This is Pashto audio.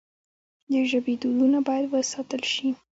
د ژبې دودونه باید وساتل سي.